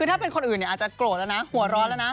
อาจจะโกรธแล้วนะหัวร้อนแล้วนะ